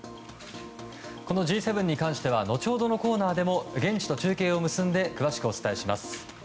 このＧ７に関しては後ほどのコーナーでも現地と中継を結んで詳しくお伝えします。